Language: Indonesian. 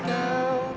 jangan lupa ya